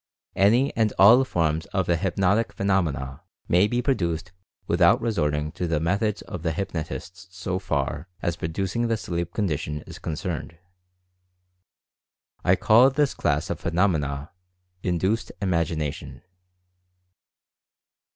Any and all forms of the "hypnotic" phenomena, may be produced with out resorting to the methods of the hypnotists so far as producing the sleep condition is concerned. I call this class of phenomena "Induced Imagination."